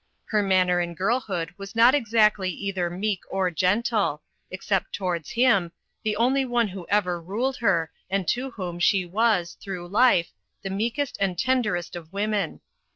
Her manner in girlhood was not exactly either "meek" or "gentle"; except towards him, the only one who ever ruled her, and to whom she was, through life, the meekest and tenderest of women.